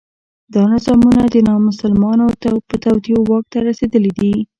دا نظامونه د نامسلمانو په توطیو واک ته رسېدلي دي.